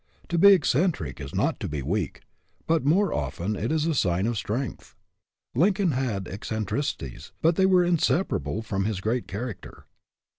To be eccentric is not to be weak, but more often it is a sign of strength. Lincoln had eccentricities, but they were inseparable from his great character.